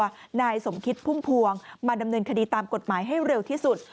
นายสมคิดพุ่มพวงมาดำเนินคดีตามกฎหมายให้เร็วที่สุด